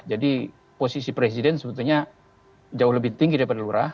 jadi posisi presiden sebetulnya jauh lebih tinggi daripada lurah